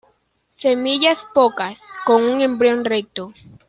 Semillas pocas, con un embrión recto.